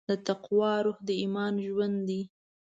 د تقوی روح د ایمان ژوند دی.